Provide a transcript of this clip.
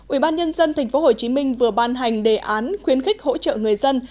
ủy ban nhân dân tp hcm vừa ban hành đề án khuyến khích hỗ trợ người dân